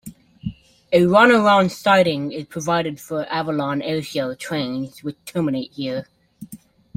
A Run around siding is provided for Avalon Airshow trains which terminate here.